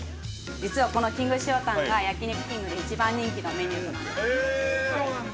◆実は、このきんぐ塩タンが焼肉きんぐで一番人気のメニューとなっています。